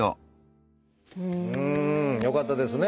うん！よかったですね。